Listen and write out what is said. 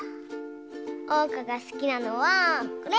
おうかがすきなのはこれ。